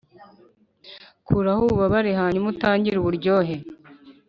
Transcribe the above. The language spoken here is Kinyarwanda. kuraho ububabare hanyuma utangire uburyohe